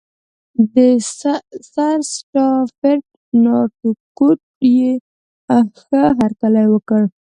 سرسټافرډ نارتکوټ یې ښه هرکلی وکړ.